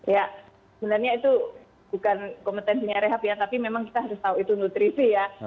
ya sebenarnya itu bukan kompetensinya rehab ya tapi memang kita harus tahu itu nutrisi ya